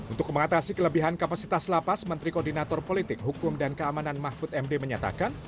untuk mengatasi kelebihan kapasitas lapas menteri koordinator politik hukum dan keamanan mahfud md menyatakan